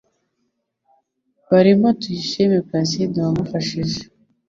barimo Tuyishime Placide wamufashije